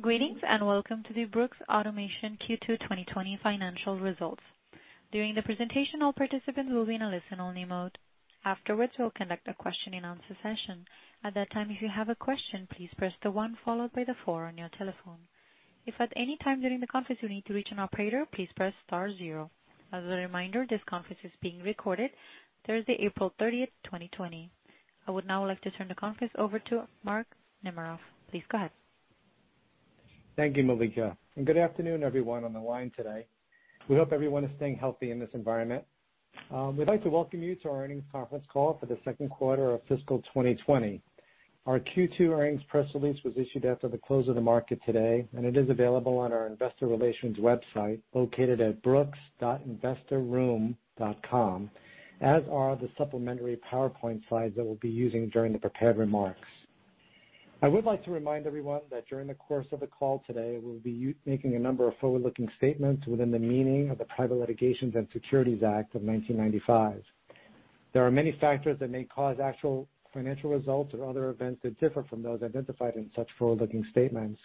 Greetings, and welcome to the Brooks Automation Q2 2020 financial results. During the presentation, all participants will be in a listen-only mode. Afterwards, we'll conduct a question and answer session. At that time, if you have a question, please press the one followed by the four on your telephone. If at any time during the conference you need to reach an operator, please press star zero. As a reminder, this conference is being recorded Thursday, April 30th, 2020. I would now like to turn the conference over to Mark Namaroff. Please go ahead. Thank you, Malika, and good afternoon, everyone on the line today. We hope everyone is staying healthy in this environment. We'd like to welcome you to our earnings conference call for the second quarter of fiscal 2020. Our Q2 earnings press release was issued after the close of the market today, and it is available on our investor relations website, located at brooks.investorroom.com, as are the supplementary PowerPoint slides that we'll be using during the prepared remarks. I would like to remind everyone that during the course of the call today, we'll be making a number of forward-looking statements within the meaning of the Private Securities Litigation Reform Act of 1995. There are many factors that may cause actual financial results or other events that differ from those identified in such forward-looking statements.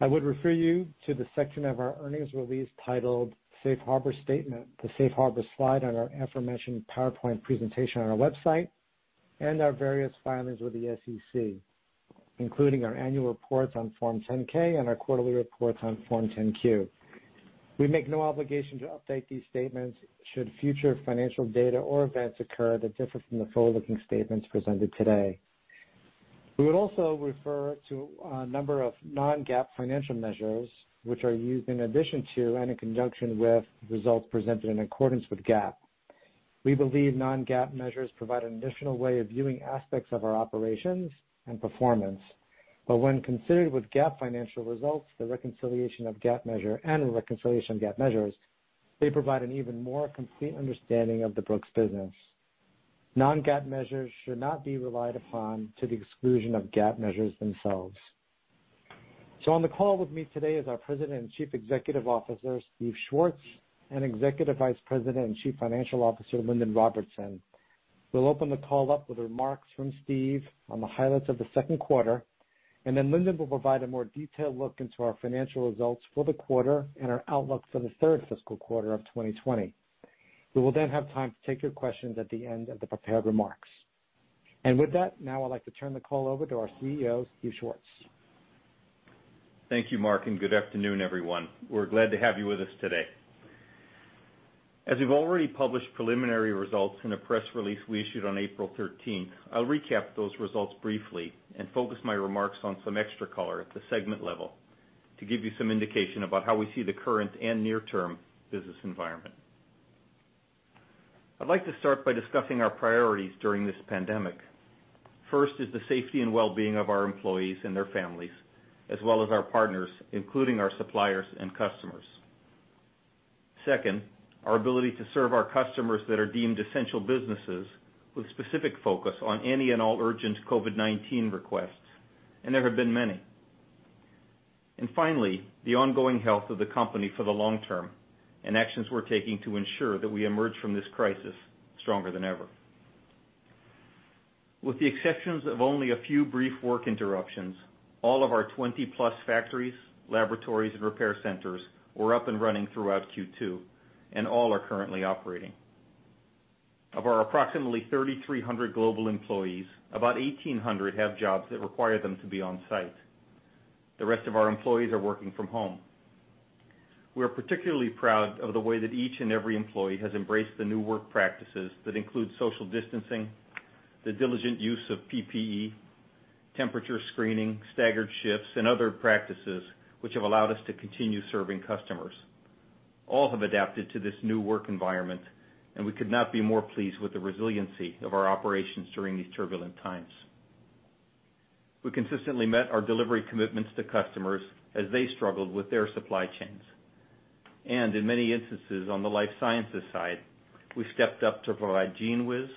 I would refer you to the section of our earnings release titled Safe Harbor Statement, the Safe Harbor slide on our aforementioned PowerPoint presentation on our website, and our various filings with the SEC, including our annual reports on Form 10-K and our quarterly reports on Form 10-Q. We make no obligation to update these statements should future financial data or events occur that differ from the forward-looking statements presented today. We would also refer to a number of non-GAAP financial measures, which are used in addition to and in conjunction with results presented in accordance with GAAP. We believe non-GAAP measures provide an additional way of viewing aspects of our operations and performance. When considered with GAAP financial results, the reconciliation of GAAP measures, they provide an even more complete understanding of the Brooks business. Non-GAAP measures should not be relied upon to the exclusion of GAAP measures themselves. On the call with me today is our President and Chief Executive Officer, Steve Schwartz, and Executive Vice President and Chief Financial Officer, Lindon Robertson. We'll open the call up with remarks from Steve on the highlights of the second quarter, then Lindon will provide a more detailed look into our financial results for the quarter and our outlook for the third fiscal quarter of 2020. We will then have time to take your questions at the end of the prepared remarks. With that, now I'd like to turn the call over to our CEO, Steve Schwartz. Thank you, Mark, and good afternoon, everyone. We're glad to have you with us today. As we've already published preliminary results in a press release we issued on April 13th, I'll recap those results briefly and focus my remarks on some extra color at the segment level to give you some indication about how we see the current and near-term business environment. I'd like to start by discussing our priorities during this pandemic. First is the safety and well-being of our employees and their families, as well as our partners, including our suppliers and customers. Second, our ability to serve our customers that are deemed essential businesses with specific focus on any and all urgent COVID-19 requests, and there have been many. Finally, the ongoing health of the company for the long term and actions we're taking to ensure that we emerge from this crisis stronger than ever. With the exceptions of only a few brief work interruptions, all of our 20+ factories, laboratories, and repair centers were up and running throughout Q2, and all are currently operating. Of our approximately 3,300 global employees, about 1,800 have jobs that require them to be on-site. The rest of our employees are working from home. We are particularly proud of the way that each and every employee has embraced the new work practices that include social distancing, the diligent use of PPE, temperature screening, staggered shifts, and other practices, which have allowed us to continue serving customers. All have adapted to this new work environment, and we could not be more pleased with the resiliency of our operations during these turbulent times. We consistently met our delivery commitments to customers as they struggled with their supply chains. In many instances on the life sciences side, we stepped up to provide GENEWIZ,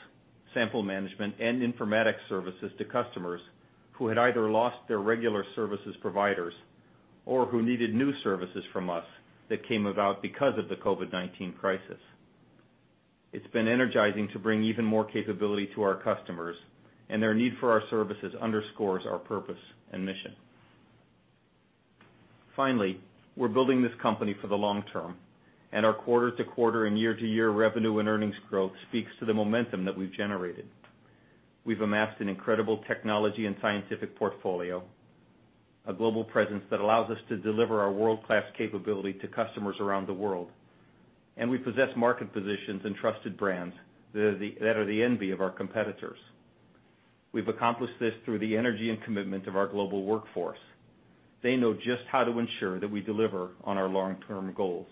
sample management, and informatics services to customers who had either lost their regular services providers or who needed new services from us that came about because of the COVID-19 crisis. It's been energizing to bring even more capability to our customers, and their need for our services underscores our purpose and mission. Finally, we're building this company for the long term, and our quarter-to-quarter and year-to-year revenue and earnings growth speaks to the momentum that we've generated. We've amassed an incredible technology and scientific portfolio, a global presence that allows us to deliver our world-class capability to customers around the world, and we possess market positions and trusted brands that are the envy of our competitors. We've accomplished this through the energy and commitment of our global workforce. They know just how to ensure that we deliver on our long-term goals.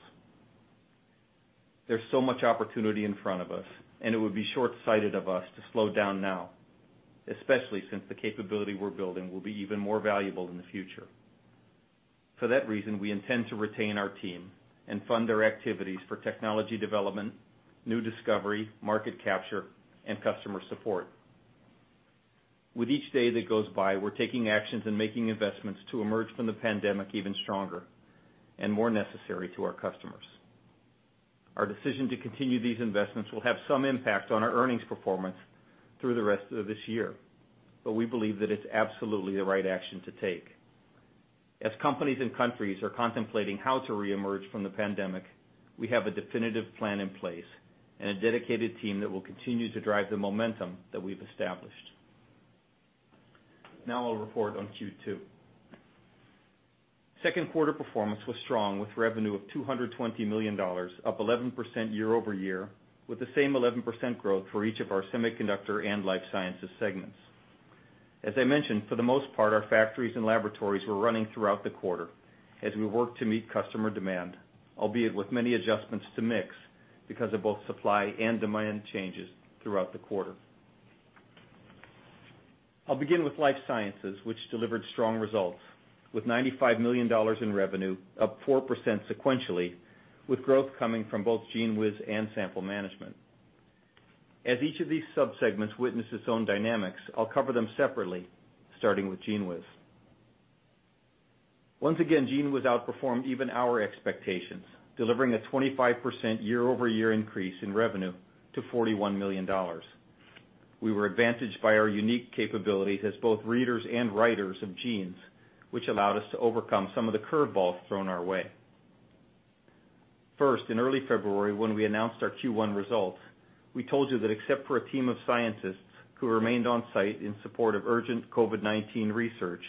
There's so much opportunity in front of us, and it would be short-sighted of us to slow down now, especially since the capability we're building will be even more valuable in the future. For that reason, we intend to retain our team and fund their activities for technology development, new discovery, market capture, and customer support. With each day that goes by, we're taking actions and making investments to emerge from the pandemic even stronger and more necessary to our customers. Our decision to continue these investments will have some impact on our earnings performance through the rest of this year, but we believe that it's absolutely the right action to take. As companies and countries are contemplating how to reemerge from the pandemic, we have a definitive plan in place and a dedicated team that will continue to drive the momentum that we've established. I'll report on Q2. Second quarter performance was strong, with revenue of $220 million, up 11% year-over-year, with the same 11% growth for each of our Semiconductor and Life Sciences segments. As I mentioned, for the most part, our factories and laboratories were running throughout the quarter as we worked to meet customer demand, albeit with many adjustments to mix because of both supply and demand changes throughout the quarter. I'll begin with Life Sciences, which delivered strong results with $95 million in revenue, up 4% sequentially, with growth coming from both GENEWIZ and sample management. As each of these sub-segments witness its own dynamics, I'll cover them separately, starting with GENEWIZ. Once again, GENEWIZ outperformed even our expectations, delivering a 25% year-over-year increase in revenue to $41 million. We were advantaged by our unique capabilities as both readers and writers of genes, which allowed us to overcome some of the curveballs thrown our way. First, in early February, when we announced our Q1 results, we told you that except for a team of scientists who remained on site in support of urgent COVID-19 research,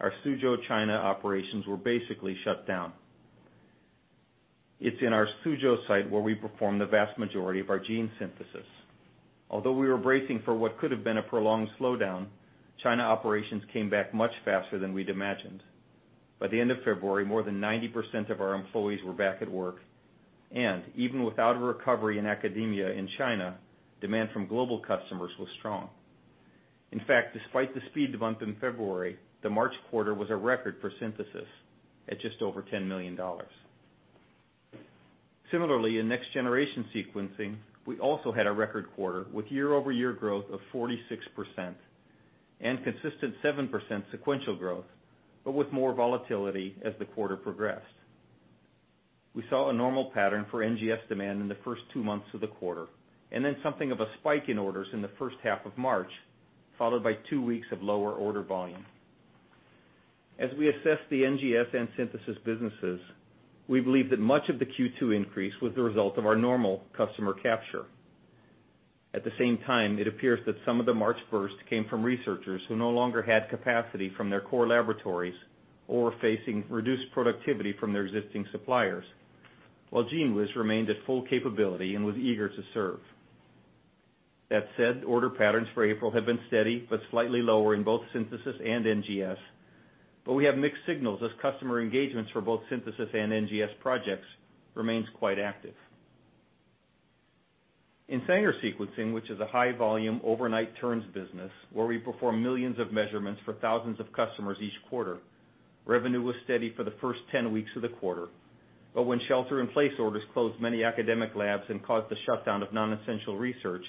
our Suzhou, China operations were basically shut down. It's in our Suzhou site where we perform the vast majority of our gene synthesis. Although we were bracing for what could have been a prolonged slowdown, China operations came back much faster than we'd imagined. By the end of February, more than 90% of our employees were back at work, even without a recovery in academia in China, demand from global customers was strong. In fact, despite the speed bump in February, the March quarter was a record for synthesis at just over $10 million. In next-generation sequencing, we also had a record quarter with year-over-year growth of 46% and consistent 7% sequential growth, but with more volatility as the quarter progressed. We saw a normal pattern for NGS demand in the first two months of the quarter, and then something of a spike in orders in the first half of March, followed by two weeks of lower order volume. As we assess the NGS and synthesis businesses, we believe that much of the Q2 increase was the result of our normal customer capture. At the same time, it appears that some of the March burst came from researchers who no longer had capacity from their core laboratories or were facing reduced productivity from their existing suppliers, while GENEWIZ remained at full capability and was eager to serve. That said, order patterns for April have been steady but slightly lower in both synthesis and NGS, but we have mixed signals as customer engagements for both synthesis and NGS projects remains quite active. In Sanger sequencing, which is a high volume, overnight turns business where we perform millions of measurements for thousands of customers each quarter, revenue was steady for the first 10 weeks of the quarter. When shelter in place orders closed many academic labs and caused the shutdown of non-essential research,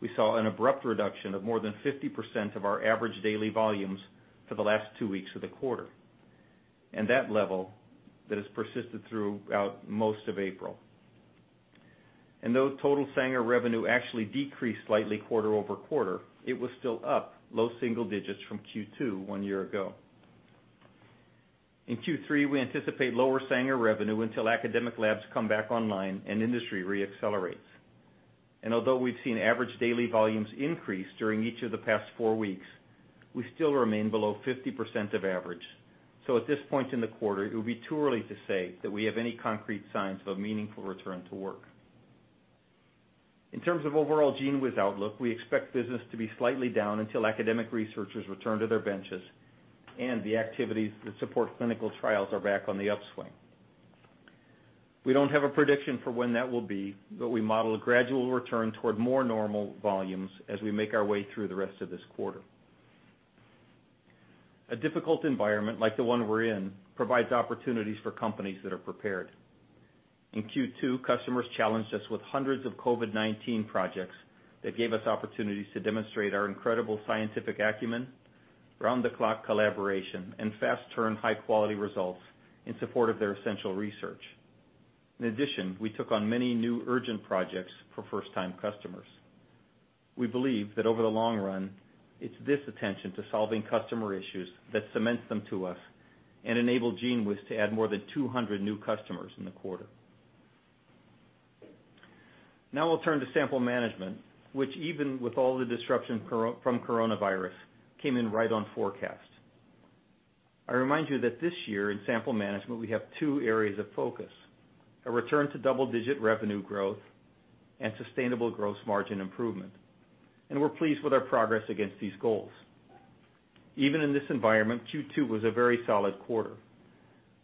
we saw an abrupt reduction of more than 50% of our average daily volumes for the last two weeks of the quarter, and that level has persisted throughout most of April. Though total Sanger revenue actually decreased slightly quarter-over-quarter, it was still up low single digits from Q2 one year ago. In Q3, we anticipate lower Sanger revenue until academic labs come back online and industry re-accelerates. Although we've seen average daily volumes increase during each of the past four weeks, we still remain below 50% of average. At this point in the quarter, it would be too early to say that we have any concrete signs of a meaningful return to work. In terms of overall GENEWIZ outlook, we expect business to be slightly down until academic researchers return to their benches and the activities that support clinical trials are back on the upswing. We don't have a prediction for when that will be. We model a gradual return toward more normal volumes as we make our way through the rest of this quarter. A difficult environment like the one we're in provides opportunities for companies that are prepared. In Q2, customers challenged us with hundreds of COVID-19 projects that gave us opportunities to demonstrate our incredible scientific acumen, round the clock collaboration, and fast turn, high quality results in support of their essential research. In addition, we took on many new urgent projects for first time customers. We believe that over the long run, it's this attention to solving customer issues that cements them to us and enabled GENEWIZ to add more than 200 new customers in the quarter. I'll turn to sample management, which even with all the disruption from coronavirus, came in right on forecast. I remind you that this year in sample management, we have two areas of focus, a return to double-digit revenue growth and sustainable gross margin improvement. We're pleased with our progress against these goals. Even in this environment, Q2 was a very solid quarter.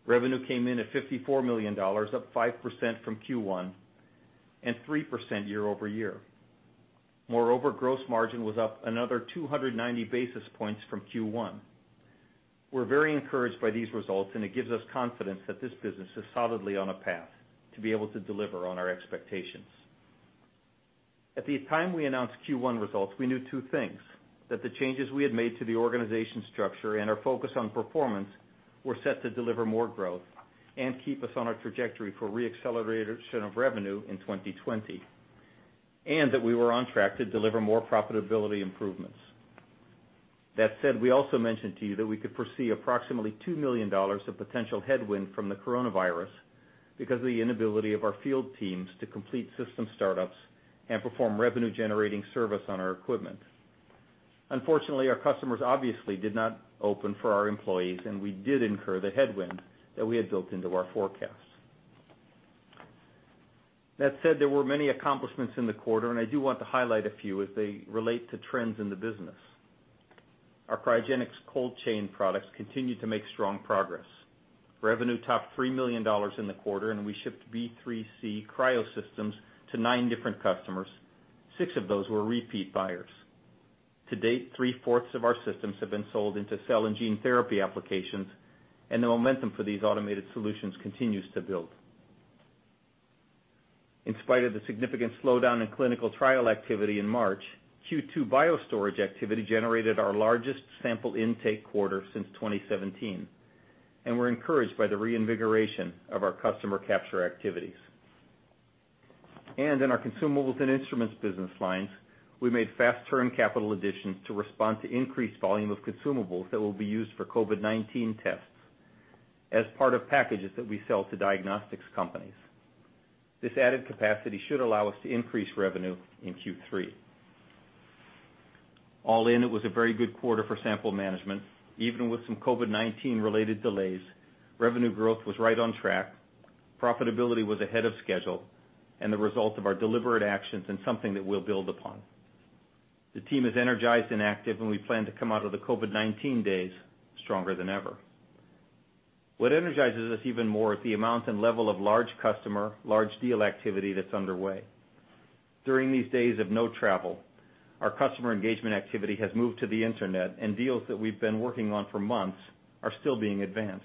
Revenue came in at $54 million, up 5% from Q1 and 3% year-over-year. Gross margin was up another 290 basis points from Q1. We're very encouraged by these results, and it gives us confidence that this business is solidly on a path to be able to deliver on our expectations. At the time we announced Q1 results, we knew two things: that the changes we had made to the organization structure and our focus on performance were set to deliver more growth and keep us on our trajectory for re-acceleration of revenue in 2020, and that we were on track to deliver more profitability improvements. That said, we also mentioned to you that we could foresee approximately $2 million of potential headwind from the coronavirus because of the inability of our field teams to complete system startups and perform revenue-generating service on our equipment. Unfortunately, our customers obviously did not open for our employees, and we did incur the headwind that we had built into our forecast. That said, there were many accomplishments in the quarter, and I do want to highlight a few as they relate to trends in the business. Our Cryogenics cold chain products continued to make strong progress. Revenue topped $3 million in the quarter, and we shipped B3C cryo systems to nine different customers. Six of those were repeat buyers. To date, three-fourths of our systems have been sold into cell and gene therapy applications, and the momentum for these automated solutions continues to build. In spite of the significant slowdown in clinical trial activity in March, Q2 BioStorage activity generated our largest sample intake quarter since 2017, and we're encouraged by the reinvigoration of our customer capture activities. In our consumables and instruments business lines, we made fast-term capital additions to respond to increased volume of consumables that will be used for COVID-19 tests as part of packages that we sell to diagnostics companies. This added capacity should allow us to increase revenue in Q3. All in, it was a very good quarter for sample management. Even with some COVID-19 related delays, revenue growth was right on track, profitability was ahead of schedule, and the result of our deliberate actions and something that we'll build upon. The team is energized and active, and we plan to come out of the COVID-19 days stronger than ever. What energizes us even more is the amount and level of large customer, large deal activity that's underway. During these days of no travel, our customer engagement activity has moved to the internet, and deals that we've been working on for months are still being advanced.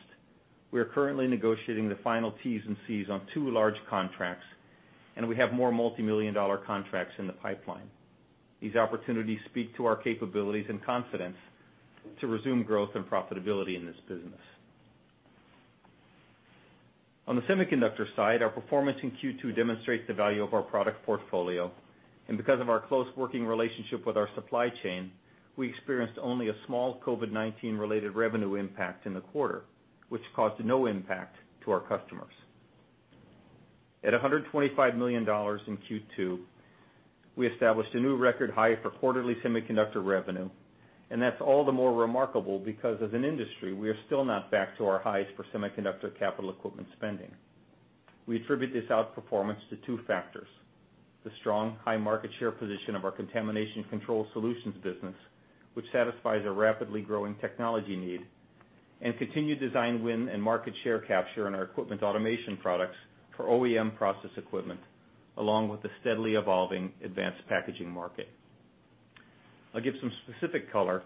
We are currently negotiating the final T's and C's on two large contracts, and we have more multimillion-dollar contracts in the pipeline. These opportunities speak to our capabilities and confidence to resume growth and profitability in this business. On the semiconductor side, our performance in Q2 demonstrates the value of our product portfolio, and because of our close working relationship with our supply chain, we experienced only a small COVID-19 related revenue impact in the quarter, which caused no impact to our customers. At $125 million in Q2, we established a new record high for quarterly semiconductor revenue, and that's all the more remarkable because as an industry, we are still not back to our highs for semiconductor capital equipment spending. We attribute this outperformance to two factors, the strong high market share position of our Contamination Control Solutions business, which satisfies a rapidly growing technology need, and continued design win and market share capture in our equipment automation products for OEM process equipment, along with the steadily evolving advanced packaging market. I'll give some specific color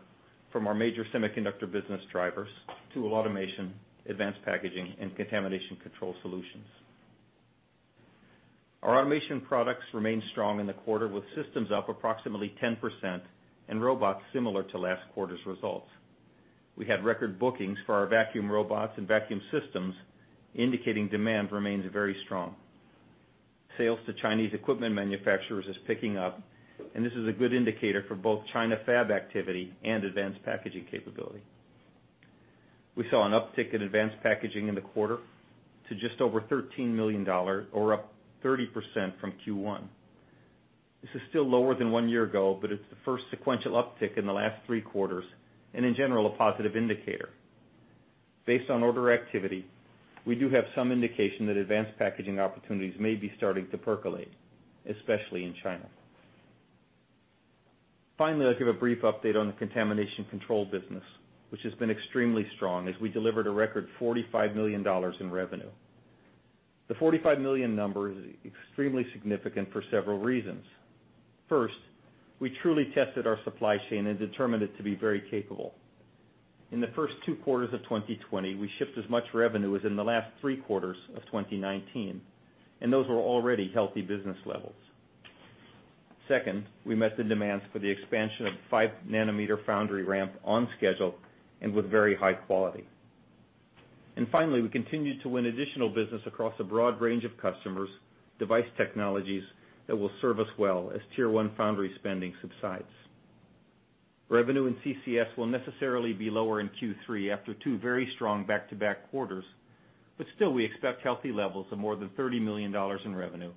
from our major semiconductor business drivers, tool automation, advanced packaging, and Contamination Control Solutions. Our automation products remained strong in the quarter with systems up approximately 10%, and robots similar to last quarter's results. We had record bookings for our vacuum robots and vacuum systems, indicating demand remains very strong. Sales to Chinese equipment manufacturers is picking up, and this is a good indicator for both China fab activity and advanced packaging capability. We saw an uptick in advanced packaging in the quarter to just over $13 million or up 30% from Q1. This is still lower than one year ago, it's the first sequential uptick in the last three quarters, in general, a positive indicator. Based on order activity, we do have some indication that advanced packaging opportunities may be starting to percolate, especially in China. Finally, I'll give a brief update on the Contamination Control business, which has been extremely strong as we delivered a record $45 million in revenue. The $45 million number is extremely significant for several reasons. First, we truly tested our supply chain and determined it to be very capable. In the first two quarters of 2020, we shipped as much revenue as in the last three quarters of 2019, those were already healthy business levels. Second, we met the demands for the expansion of five nanometer foundry ramp on schedule and with very high quality. Finally, we continued to win additional business across a broad range of customers, device technologies that will serve us well as Tier 1 foundry spending subsides. Revenue in CCS will necessarily be lower in Q3 after two very strong back-to-back quarters. Still, we expect healthy levels of more than $30 million in revenue,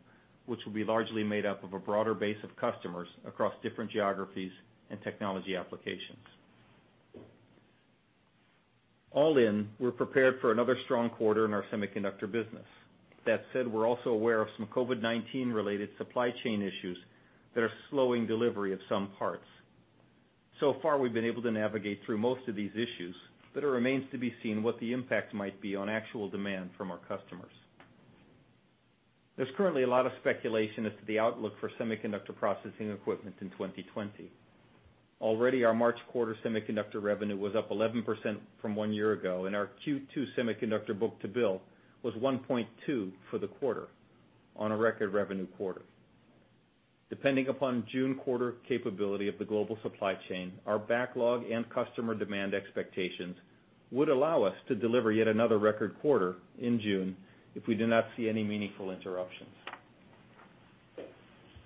which will be largely made up of a broader base of customers across different geographies and technology applications. All in, we're prepared for another strong quarter in our semiconductor business. That said, we're also aware of some COVID-19 related supply chain issues that are slowing delivery of some parts. Far, we've been able to navigate through most of these issues, but it remains to be seen what the impact might be on actual demand from our customers. There's currently a lot of speculation as to the outlook for semiconductor processing equipment in 2020. Already, our March quarter semiconductor revenue was up 11% from one year ago, and our Q2 semiconductor book-to-bill was 1.2 for the quarter on a record revenue quarter. Depending upon June quarter capability of the global supply chain, our backlog and customer demand expectations would allow us to deliver yet another record quarter in June if we do not see any meaningful interruptions.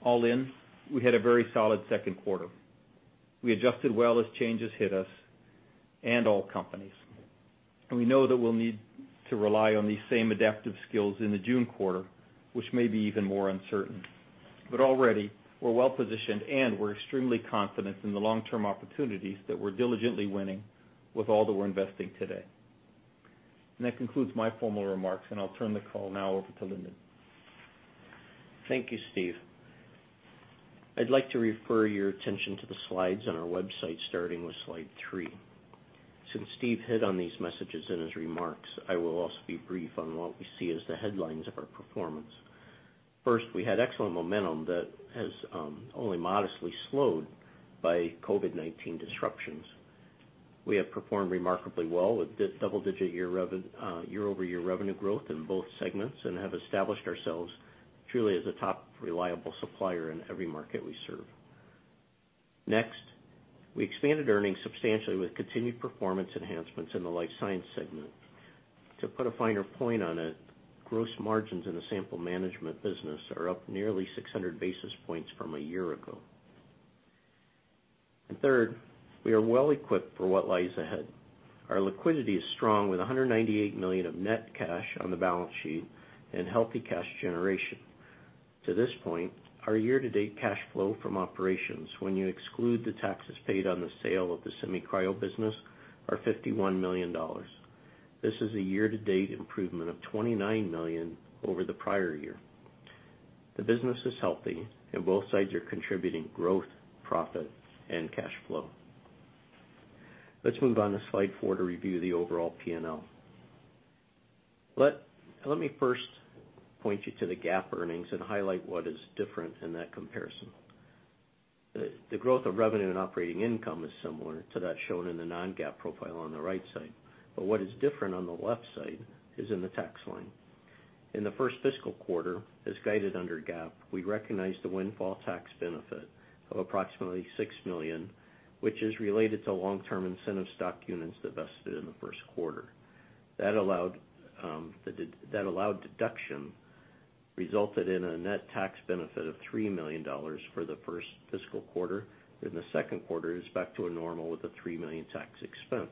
All in, we had a very solid second quarter. We adjusted well as changes hit us and all companies. We know that we'll need to rely on these same adaptive skills in the June quarter, which may be even more uncertain. Already, we're well-positioned, and we're extremely confident in the long-term opportunities that we're diligently winning with all that we're investing today. That concludes my formal remarks, and I'll turn the call now over to Lindon. Thank you, Steve. I'd like to refer your attention to the slides on our website, starting with slide three. Since Steve hit on these messages in his remarks, I will also be brief on what we see as the headlines of our performance. We had excellent momentum that has only modestly slowed by COVID-19 disruptions. We have performed remarkably well with double-digit year-over-year revenue growth in both segments and have established ourselves truly as a top reliable supplier in every market we serve. We expanded earnings substantially with continued performance enhancements in the life science segment. To put a finer point on it, gross margins in the sample management business are up nearly 600 basis points from a year ago. Third, we are well-equipped for what lies ahead. Our liquidity is strong with $198 million of net cash on the balance sheet and healthy cash generation. To this point, our year-to-date cash flow from operations, when you exclude the taxes paid on the sale of the Semiconductor Solutions Group, are $51 million. This is a year-to-date improvement of $29 million over the prior year. The business is healthy, both sides are contributing growth, profit, and cash flow. Let's move on to slide four to review the overall P&L. Let me first point you to the GAAP earnings and highlight what is different in that comparison. The growth of revenue and operating income is similar to that shown in the non-GAAP profile on the right side. What is different on the left side is in the tax line. In the first fiscal quarter, as guided under GAAP, we recognized a windfall tax benefit of approximately $6 million, which is related to long-term incentive stock units divested in the first quarter. That allowed deduction resulted in a net tax benefit of $3 million for the first fiscal quarter. In the second quarter, it is back to a normal with a $3 million tax expense.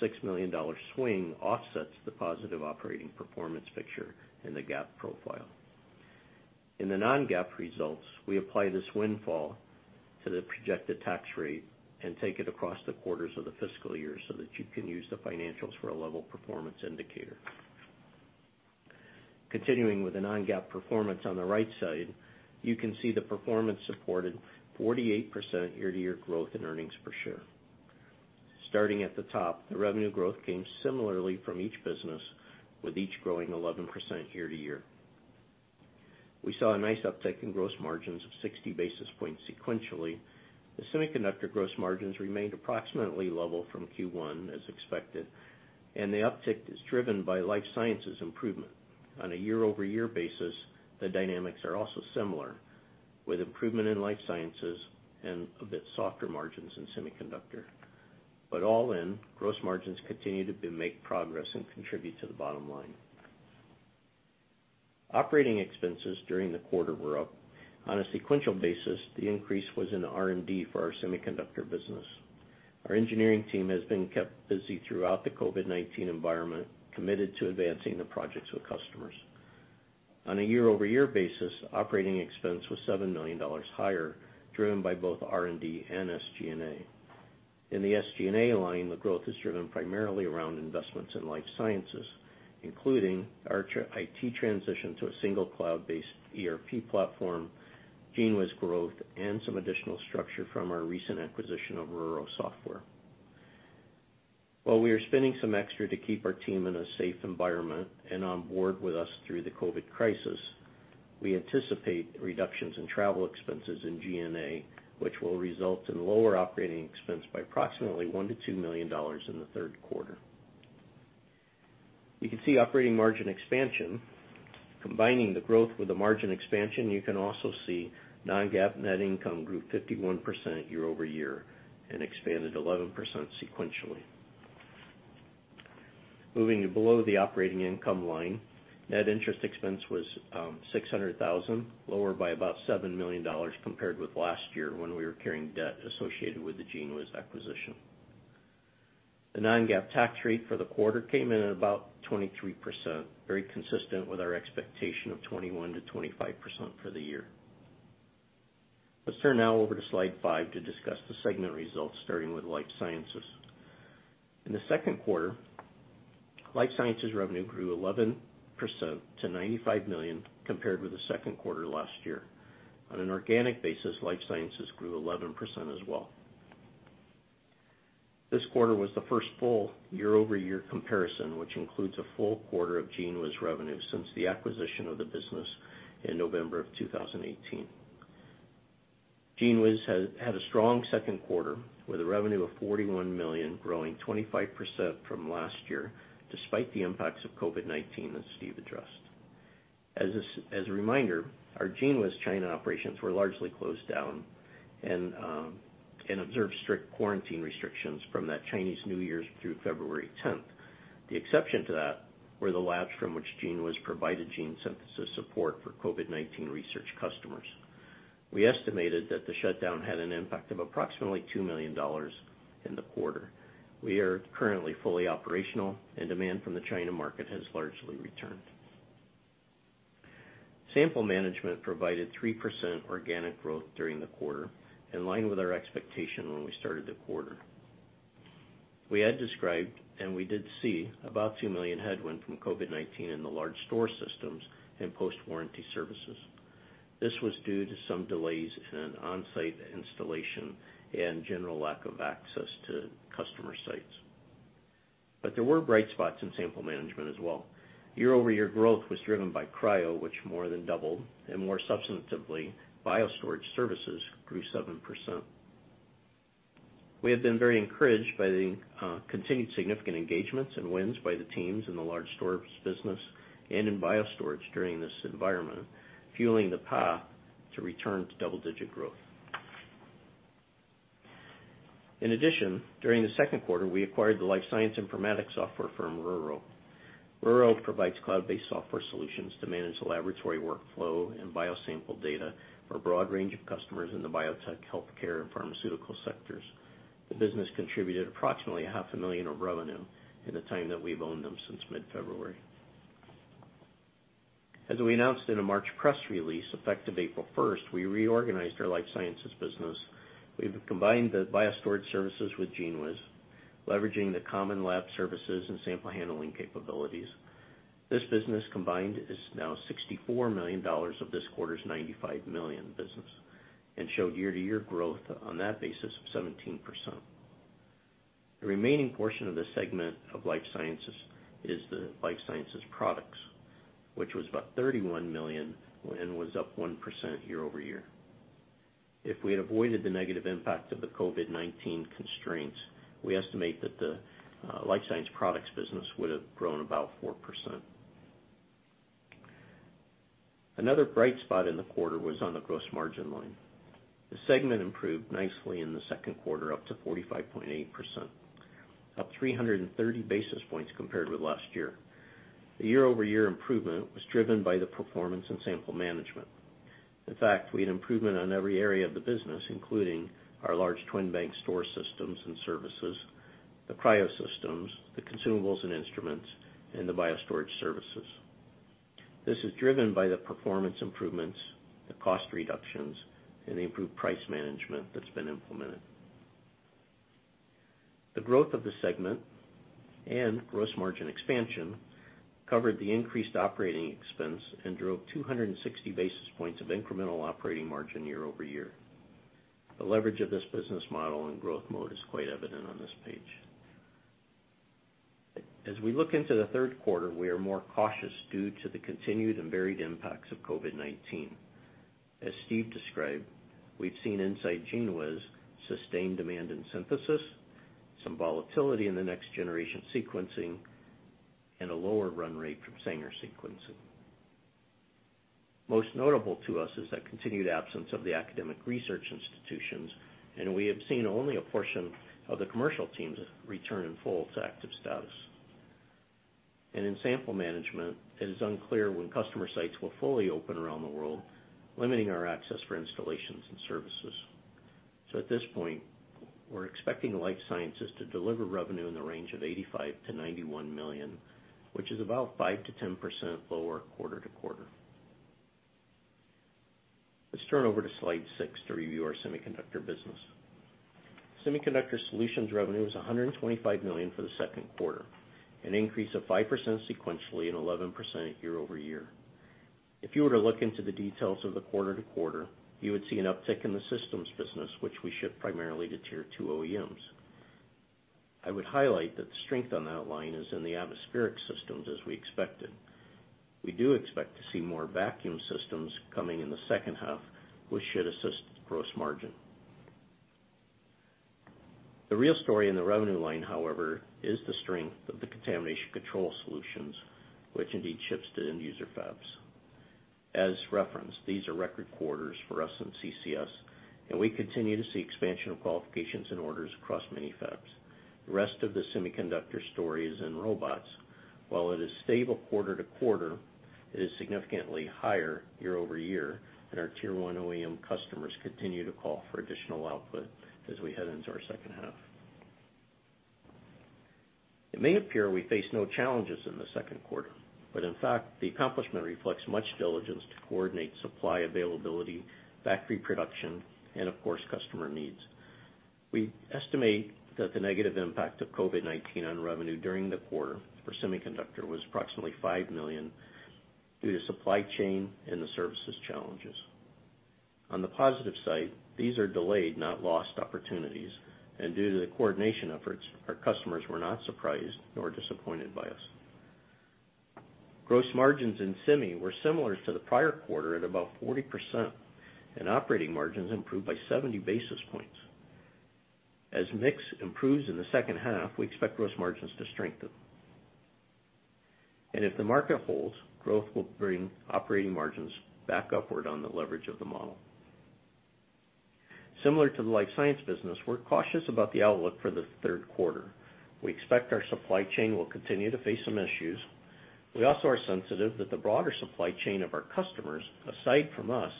The $6 million swing offsets the positive operating performance picture in the GAAP profile. In the non-GAAP results, we apply this windfall to the projected tax rate and take it across the quarters of the fiscal year so that you can use the financials for a level performance indicator. Continuing with the non-GAAP performance on the right side, you can see the performance supported 48% year-to-year growth in earnings per share. Starting at the top, the revenue growth came similarly from each business, with each growing 11% year-to-year. We saw a nice uptick in gross margins of 60 basis points sequentially. The semiconductor gross margins remained approximately level from Q1 as expected, and the uptick is driven by life sciences improvement. On a year-over-year basis, the dynamics are also similar, with improvement in life sciences and a bit softer margins in semiconductor. All in, gross margins continue to make progress and contribute to the bottom line. Operating expenses during the quarter were up. On a sequential basis, the increase was in R&D for our semiconductor business. Our engineering team has been kept busy throughout the COVID-19 environment, committed to advancing the projects with customers. On a year-over-year basis, operating expense was $7 million higher, driven by both R&D and SG&A. In the SG&A line, the growth is driven primarily around investments in life sciences, including our IT transition to a single cloud-based ERP platform, GENEWIZ growth, and some additional structure from our recent acquisition of RURO Software. While we are spending some extra to keep our team in a safe environment and on board with us through the COVID crisis, we anticipate reductions in travel expenses in G&A, which will result in lower operating expense by approximately $1 million-$2 million in the third quarter. You can see operating margin expansion. Combining the growth with the margin expansion, you can also see non-GAAP net income grew 51% year-over-year and expanded 11% sequentially. Moving below the operating income line, net interest expense was $600,000, lower by about $7 million compared with last year when we were carrying debt associated with the GENEWIZ acquisition. The non-GAAP tax rate for the quarter came in at about 23%, very consistent with our expectation of 21%-25% for the year. Let's turn now over to slide five to discuss the segment results, starting with life sciences. In the second quarter, life sciences revenue grew 11% to $95 million compared with the second quarter last year. On an organic basis, life sciences grew 11% as well. This quarter was the first full year-over-year comparison, which includes a full quarter of GENEWIZ revenue since the acquisition of the business in November of 2018. GENEWIZ had a strong second quarter, with a revenue of $41 million, growing 25% from last year, despite the impacts of COVID-19 that Steve addressed. As a reminder, our GENEWIZ China operations were largely closed down and observed strict quarantine restrictions from that Chinese New Year's through February 10th. The exception to that were the labs from which GENEWIZ provided gene synthesis support for COVID-19 research customers. We estimated that the shutdown had an impact of approximately $2 million in the quarter. We are currently fully operational, and demand from the China market has largely returned. Sample management provided 3% organic growth during the quarter, in line with our expectation when we started the quarter. We had described, and we did see about $2 million headwind from COVID-19 in the large store systems and post-warranty services. This was due to some delays in on-site installation and general lack of access to customer sites. There were bright spots in sample management as well. Year-over-year growth was driven by cryo, which more than doubled, and more substantively, bio-storage services grew 7%. We have been very encouraged by the continued significant engagements and wins by the teams in the large storage business and in bio-storage during this environment, fueling the path to return to double-digit growth. In addition, during the second quarter, we acquired the life science informatics software firm, RURO. RURO provides cloud-based software solutions to manage laboratory workflow and bio-sample data for a broad range of customers in the biotech, healthcare, and pharmaceutical sectors. The business contributed approximately half a million of revenue in the time that we've owned them since mid-February. As we announced in a March press release, effective April 1st, we reorganized our life sciences business. We've combined the bio-storage services with GENEWIZ, leveraging the common lab services and sample handling capabilities. This business combined is now $64 million of this quarter's $95 million business and showed year-to-year growth on that basis of 17%. The remaining portion of the segment of life sciences is the life sciences products, which was about $31 million and was up 1% year-over-year. If we had avoided the negative impact of the COVID-19 constraints, we estimate that the life science products business would have grown about 4%. Another bright spot in the quarter was on the gross margin line. The segment improved nicely in the second quarter up to 45.8%, up 330 basis points compared with last year. The year-over-year improvement was driven by the performance in sample management. In fact, we had improvement on every area of the business, including our large twin bank storage systems and services, the cryo systems, the consumables and instruments, and the BioStorage services. This is driven by the performance improvements, the cost reductions, and the improved price management that's been implemented. The growth of the segment and gross margin expansion covered the increased operating expense and drove 260 basis points of incremental operating margin year-over-year. The leverage of this business model and growth mode is quite evident on this page. As we look into the third quarter, we are more cautious due to the continued and varied impacts of COVID-19. As Steve described, we've seen inside GENEWIZ sustained demand in synthesis, some volatility in the next-generation sequencing, and a lower run rate from Sanger sequencing. Most notable to us is that continued absence of the academic research institutions. We have seen only a portion of the commercial teams return in full to active status. In sample management, it is unclear when customer sites will fully open around the world, limiting our access for installations and services. At this point, we're expecting life sciences to deliver revenue in the range of $85 million-$91 million, which is about 5%-10% lower quarter-over-quarter. Let's turn over to slide six to review our semiconductor business. Semiconductor Solutions revenue was $125 million for the second quarter, an increase of 5% sequentially and 11% year-over-year. If you were to look into the details of the quarter-to-quarter, you would see an uptick in the systems business, which we ship primarily to Tier 2 OEMs. I would highlight that the strength on that line is in the atmospheric systems as we expected. We do expect to see more vacuum systems coming in the second half, which should assist gross margin. The real story in the revenue line, however, is the strength of the Contamination Control Solutions, which indeed ships to end user fabs. As referenced, these are record quarters for us in CCS. We continue to see expansion of qualifications and orders across many fabs. The rest of the semiconductor story is in robots. While it is stable quarter-to-quarter, it is significantly higher year-over-year, and our Tier 1 OEM customers continue to call for additional output as we head into our second half. It may appear we face no challenges in the second quarter, but in fact, the accomplishment reflects much diligence to coordinate supply availability, factory production, and of course, customer needs. We estimate that the negative impact of COVID-19 on revenue during the quarter for semiconductor was approximately $5 million due to supply chain and the services challenges. On the positive side, these are delayed, not lost opportunities. Due to the coordination efforts, our customers were not surprised nor disappointed by us. Gross margins in Semi were similar to the prior quarter at about 40%, and operating margins improved by 70 basis points. As mix improves in the second half, we expect gross margins to strengthen. If the market holds, growth will bring operating margins back upward on the leverage of the model. Similar to the life science business, we're cautious about the outlook for the third quarter. We expect our supply chain will continue to face some issues. We also are sensitive that the broader supply chain of our customers, aside from us,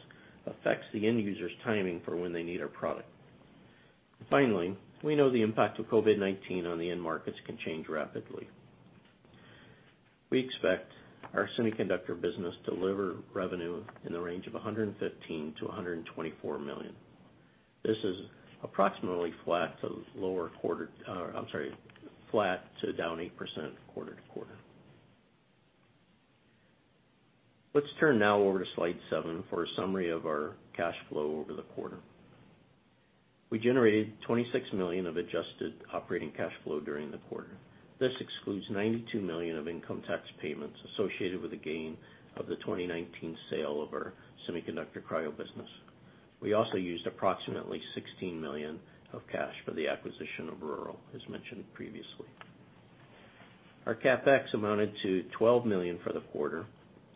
affects the end user's timing for when they need our product. We know the impact of COVID-19 on the end markets can change rapidly. We expect our semiconductor business to deliver revenue in the range of $115 million-$124 million. This is approximately flat to down 8% quarter-to-quarter. Let's turn now over to slide seven for a summary of our cash flow over the quarter. We generated $26 million of adjusted operating cash flow during the quarter. This excludes $92 million of income tax payments associated with a gain of the 2019 sale of our Semiconductor Cryo business. We also used approximately $16 million of cash for the acquisition of RURO, as mentioned previously. Our CapEx amounted to $12 million for the quarter,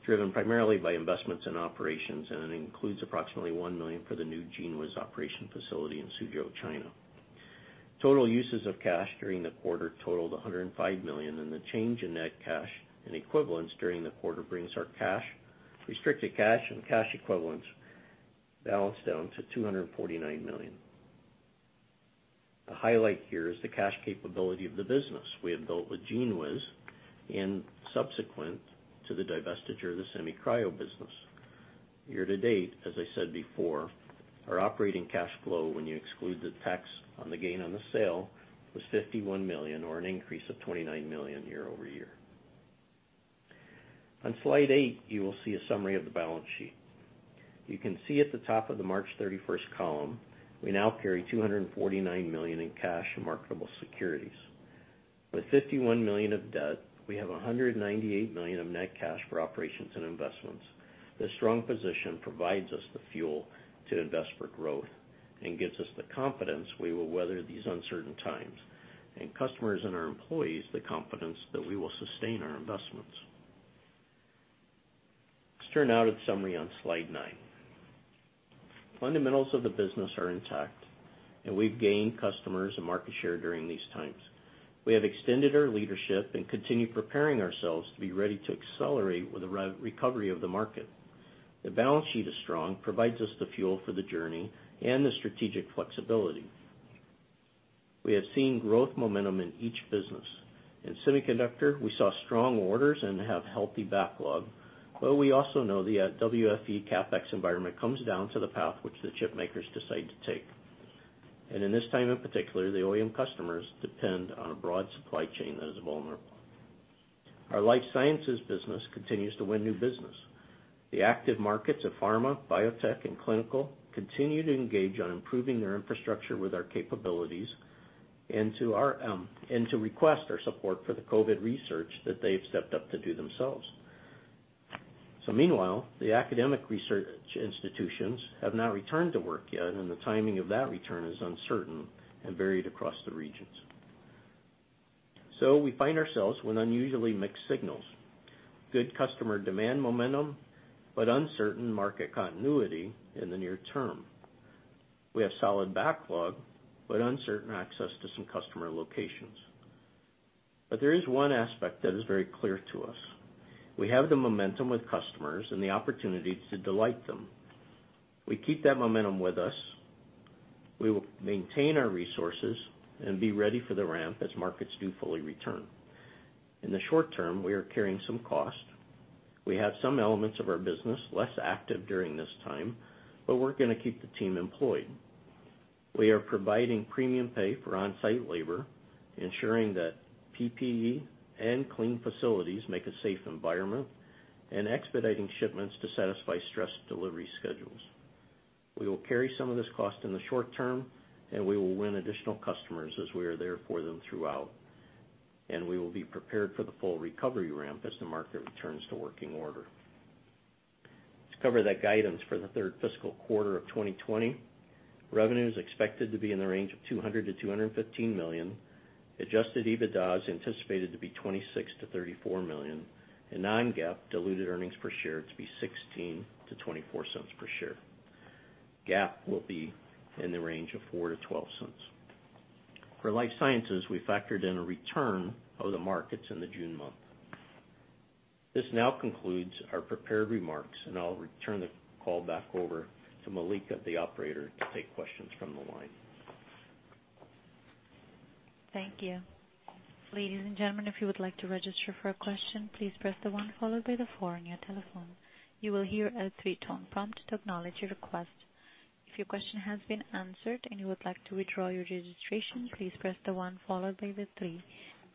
driven primarily by investments in operations, and it includes approximately $1 million for the new GENEWIZ operation facility in Suzhou, China. Total uses of cash during the quarter totaled $105 million, and the change in net cash and equivalents during the quarter brings our restricted cash and cash equivalents balance down to $249 million. The highlight here is the cash capability of the business we have built with GENEWIZ and subsequent to the divestiture of the Semi Cryo business. Year to date, as I said before, our operating cash flow, when you exclude the tax on the gain on the sale, was $51 million, or an increase of $29 million year-over-year. On slide eight, you will see a summary of the balance sheet. You can see at the top of the March 31st column, we now carry $249 million in cash and marketable securities. With $51 million of debt, we have $198 million of net cash for operations and investments. This strong position provides us the fuel to invest for growth and gives us the confidence we will weather these uncertain times, and customers and our employees the confidence that we will sustain our investments. Let's turn now to the summary on slide nine. Fundamentals of the business are intact, and we've gained customers and market share during these times. We have extended our leadership and continue preparing ourselves to be ready to accelerate with the recovery of the market. The balance sheet is strong, provides us the fuel for the journey, and the strategic flexibility. We have seen growth momentum in each business. In Semiconductor, we saw strong orders and have healthy backlog. We also know the WFE CapEx environment comes down to the path which the chip makers decide to take. In this time in particular, the OEM customers depend on a broad supply chain that is vulnerable. Our Life Sciences business continues to win new business. The active markets of pharma, biotech, and clinical continue to engage on improving their infrastructure with our capabilities and to request our support for the COVID research that they've stepped up to do themselves. Meanwhile, the academic research institutions have not returned to work yet, and the timing of that return is uncertain and varied across the regions. We find ourselves with unusually mixed signals. Good customer demand momentum, uncertain market continuity in the near term. We have solid backlog, uncertain access to some customer locations. There is one aspect that is very clear to us. We have the momentum with customers and the opportunity to delight them. We keep that momentum with us. We will maintain our resources and be ready for the ramp as markets do fully return. In the short term, we are carrying some cost. We have some elements of our business less active during this time, but we're going to keep the team employed. We are providing premium pay for on-site labor, ensuring that PPE and clean facilities make a safe environment, and expediting shipments to satisfy stressed delivery schedules. We will carry some of this cost in the short term, and we will win additional customers as we are there for them throughout. We will be prepared for the full recovery ramp as the market returns to working order. Let's cover the guidance for the third fiscal quarter of 2020. Revenue is expected to be in the range of $200 million-$215 million, adjusted EBITDA is anticipated to be $26 million-$34 million, and non-GAAP diluted earnings per share to be $0.16-$0.24 per share. GAAP will be in the range of $0.04-$0.12. For life sciences, we factored in a return of the markets in the June month. This now concludes our prepared remarks, and I'll return the call back over to Malika, the operator, to take questions from the line. Thank you. Ladies and gentlemen, if you would like to register for a question, please press the one followed by the four on your telephone. You will hear a three-tone prompt to acknowledge your request. If your question has been answered and you would like to withdraw your registration, please press the one followed by the three.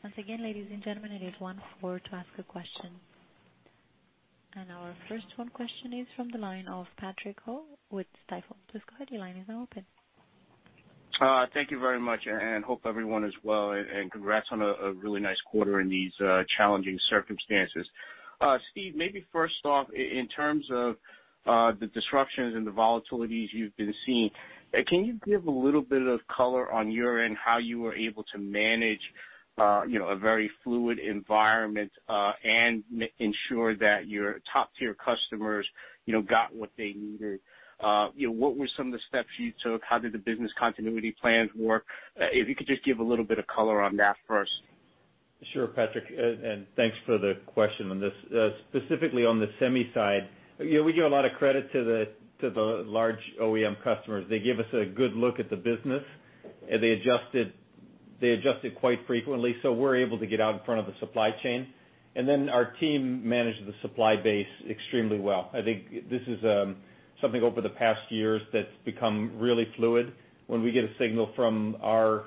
Once again, ladies and gentlemen, it is one, four to ask a question. Our first question is from the line of Patrick Ho with Stifel. Please go ahead, your line is now open. Thank you very much, and hope everyone is well, and congrats on a really nice quarter in these challenging circumstances. Steve, maybe first off, in terms of the disruptions and the volatilities you've been seeing, can you give a little bit of color on your end, how you were able to manage a very fluid environment, and ensure that your top-tier customers got what they needed? What were some of the steps you took? How did the business continuity plans work? If you could just give a little bit of color on that first. Sure, Patrick, thanks for the question on this. Specifically on the semi side, we give a lot of credit to the large OEM customers. They give us a good look at the business, and they adjusted quite frequently, so we're able to get out in front of the supply chain. Our team managed the supply base extremely well. I think this is something over the past years that's become really fluid. When we get a signal from our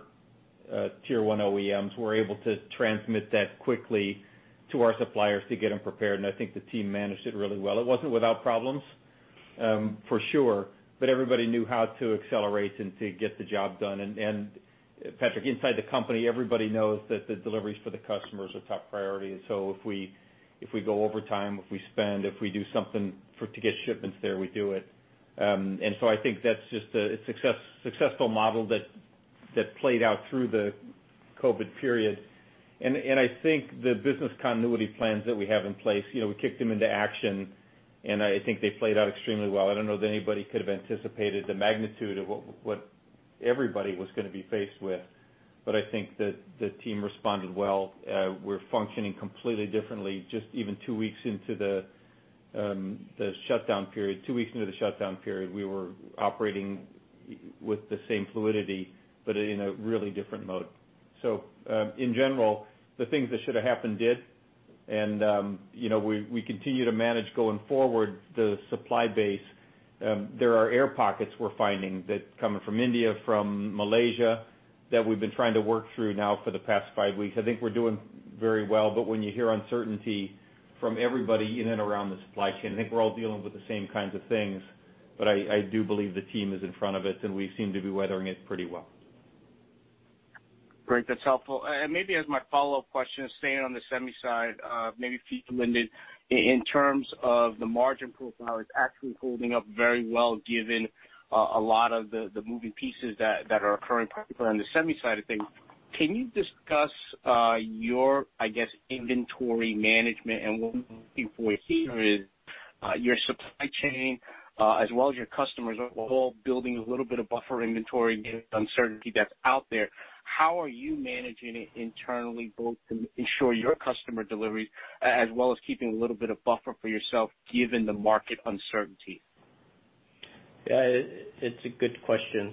Tier 1 OEMs, we're able to transmit that quickly to our suppliers to get them prepared, and I think the team managed it really well. It wasn't without problems, for sure, but everybody knew how to accelerate and to get the job done. Patrick, inside the company, everybody knows that the deliveries for the customers are top priority. If we go over time, if we spend, if we do something to get shipments there, we do it. I think that's just a successful model that played out through the COVID period. I think the business continuity plans that we have in place, we kicked them into action, and I think they played out extremely well. I don't know that anybody could've anticipated the magnitude of what everybody was gonna be faced with, but I think that the team responded well. We're functioning completely differently, just even two weeks into the shutdown period. Two weeks into the shutdown period, we were operating with the same fluidity, but in a really different mode. In general, the things that should've happened, did. We continue to manage going forward the supply base. There are air pockets we're finding that coming from India, from Malaysia, that we've been trying to work through now for the past five weeks. I think we're doing very well, but when you hear uncertainty from everybody in and around the supply chain, I think we're all dealing with the same kinds of things. I do believe the team is in front of it, and we seem to be weathering it pretty well. Great. That's helpful. Maybe as my follow-up question, staying on the semi side, maybe to you, Lindon, in terms of the margin profile, it's actually holding up very well given a lot of the moving pieces that are occurring, particularly on the semi side of things. Can you discuss your, I guess, inventory management and what we're looking for here is your supply chain as well as your customers overall building a little bit of buffer inventory given the uncertainty that's out there. How are you managing it internally, both to ensure your customer deliveries, as well as keeping a little bit of buffer for yourself given the market uncertainty? It's a good question.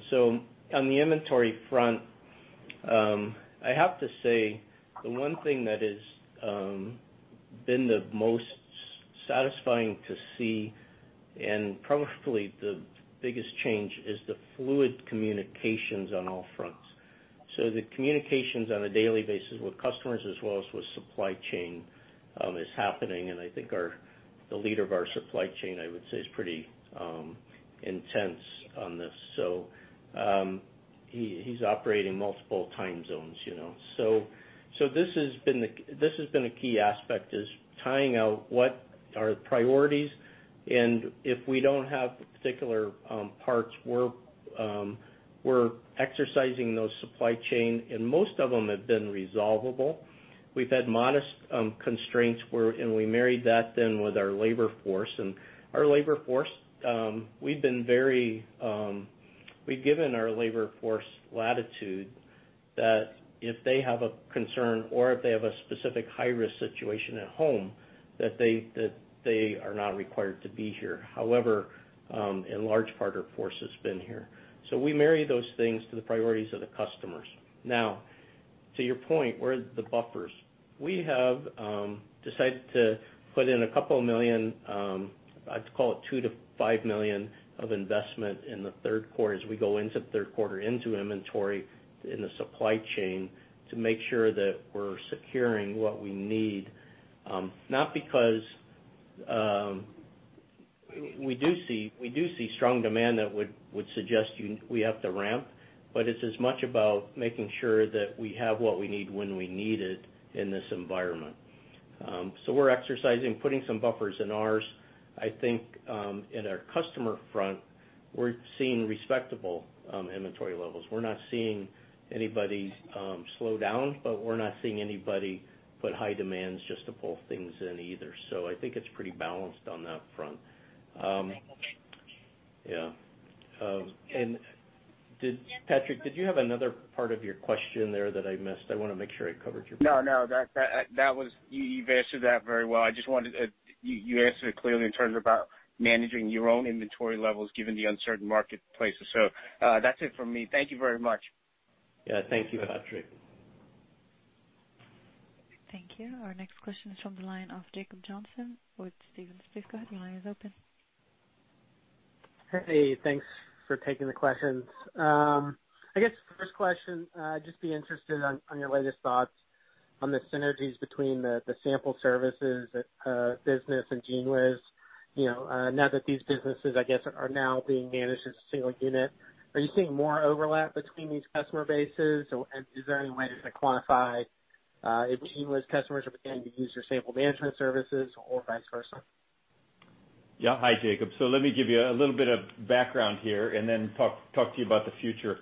On the inventory front, I have to say the one thing that has been the most satisfying to see, and probably the biggest change, is the fluid communications on all fronts. The communications on a daily basis with customers as well as with supply chain, is happening, and I think the leader of our supply chain, I would say, is pretty intense on this. He's operating multiple time zones. This has been a key aspect, is tying out what are the priorities, and if we don't have particular parts, we're exercising those supply chain, and most of them have been resolvable. We've had modest constraints, we married that then with our labor force. Our labor force, we've given our labor force latitude that if they have a concern or if they have a specific high-risk situation at home, that they are not required to be here. However, in large part, our force has been here. We marry those things to the priorities of the customers. To your point, where are the buffers? We have decided to put in a couple million, I'd call it $2 million-$5 million of investment in the third quarter as we go into third quarter into inventory in the supply chain to make sure that we're securing what we need. Not because we do see strong demand that would suggest we have to ramp, but it's as much about making sure that we have what we need when we need it in this environment. We're exercising putting some buffers in ours. I think in our customer front, we're seeing respectable inventory levels. We're not seeing anybody slow down, but we're not seeing anybody put high demands just to pull things in either. I think it's pretty balanced on that front. Yeah. Patrick, did you have another part of your question there that I missed? I want to make sure I covered your question. No, you've answered that very well. You answered it clearly in terms about managing your own inventory levels given the uncertain marketplaces. That's it for me. Thank you very much. Yeah. Thank you, Patrick. Thank you. Our next question is from the line of Jacob Johnson with Stephens. Please go ahead. Your line is open. Hey, thanks for taking the questions. I guess the first question, just be interested on your latest thoughts on the synergies between the sample services business and GENEWIZ. Now that these businesses, I guess, are now being managed as a single unit. Are you seeing more overlap between these customer bases? Is there any way to quantify if GENEWIZ customers are beginning to use your sample management services or vice versa? Yeah. Hi, Jacob. Let me give you a little bit of background here and then talk to you about the future.